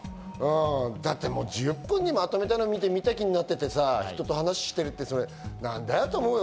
だって、もう１０分にまとめたのを見て、見た気になったって人と話してるって、何だよって思うよ。